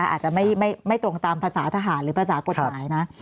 อาจจะไม่ตรงตามภาษาทหารหรือภาษากฎหมายนะ